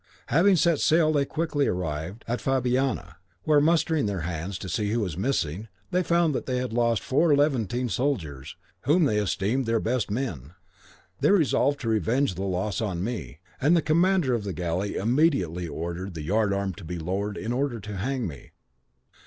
Having set sail they quickly arrived at Fabiana, where mustering their hands to see who was missing, they found that they had lost four Levantine soldiers whom they esteemed their best men. They resolved to revenge the loss on me, and the commander of the galley immediately ordered the yard arm to be lowered in order to hang me.